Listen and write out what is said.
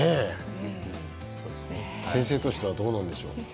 先生としてはどうなんでしょう？